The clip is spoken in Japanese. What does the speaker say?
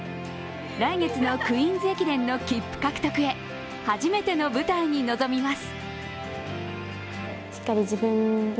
来月のクイーンズ駅伝の切符獲得へ、初めての舞台に臨みます。